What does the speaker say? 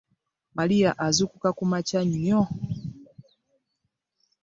Maliya azukuka kumakya nnyo .